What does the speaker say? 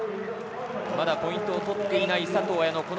まだポイントを取っていない佐藤綾乃。